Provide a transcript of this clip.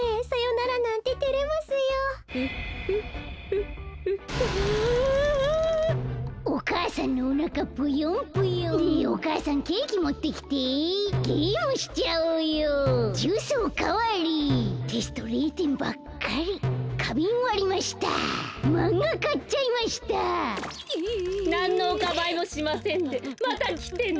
なんのおかまいもしませんでまたきてね。